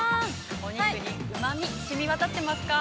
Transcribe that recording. お肉にうまみ、しみわたっていますか。